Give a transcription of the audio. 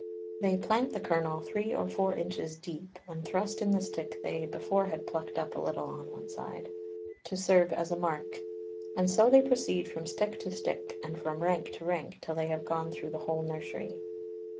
They plant the Kernel three or four Inches deep, and thrust in the Stick they before had pluck'd up a little on one side, to serve as a Mark: and so they proceed from Stick to Stick, and from Rank to Rank, till they have gone through the whole Nursery.